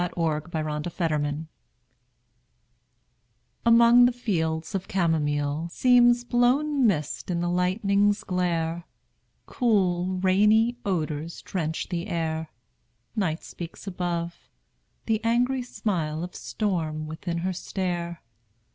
THE WINDOW ON THE HILL Among the fields the camomile Seems blown mist in the lightning's glare: Cool, rainy odors drench the air; Night speaks above; the angry smile Of storm within her stare.